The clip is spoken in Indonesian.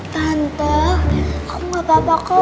tante aku gak apa apa kok